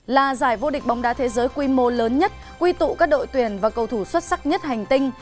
là giải vô địch bóng đá thế giới quy mô lớn nhất quy tụ các đội tuyển và cầu thủ xuất sắc nhất hành tinh